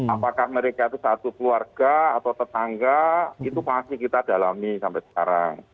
apakah mereka itu satu keluarga atau tetangga itu masih kita dalami sampai sekarang